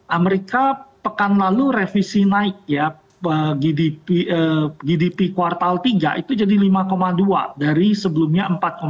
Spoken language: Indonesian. amerika pekan lalu revisi naik ya gdp kuartal tiga itu jadi lima dua dari sebelumnya empat